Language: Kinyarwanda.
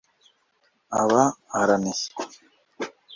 aba aranishye